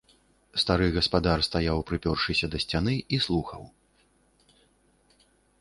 Стары гаспадар стаяў, прыпёршыся да сцяны, і слухаў.